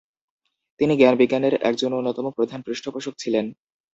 তিনি জ্ঞান-বিজ্ঞানের একজন অন্যতম প্রধান পৃষ্ঠপোষক ছিলেন।